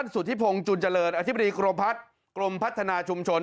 สุธิพงศ์จุนเจริญอธิบดีกรมพัฒน์กรมพัฒนาชุมชน